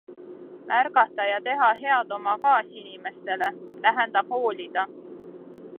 Märgata ja teha head oma kaasinimestele - tähendab hoolida.